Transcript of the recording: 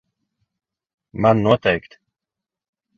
Man noteikti.